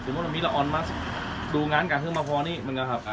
ครับสมมติวิลออนมัสดูงานกาฮือมาพอนี่มันก็ครับอ่ะ